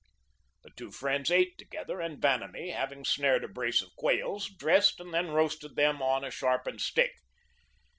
The two friends ate together, and Vanamee, having snared a brace of quails, dressed and then roasted them on a sharpened stick.